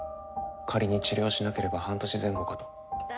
仮に治療しなければ半年前後かと。